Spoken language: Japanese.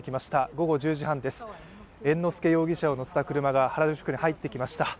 午後１０時半です、猿之助容疑者を乗せた車が原宿署に入ってきました。